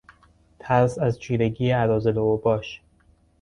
ترس از چیرگی اراذل و اوباش